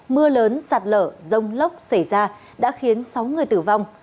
mưa lớn sạt lở rông lốc xảy ra đã khiến sáu người tử vong